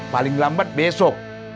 paling lambat besok